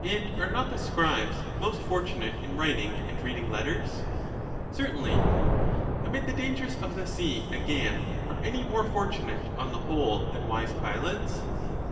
And are not the scribes most fortunate in writing and reading letters? Certainly. Amid the dangers of the sea, again, are any more fortunate on the whole than wise pilots?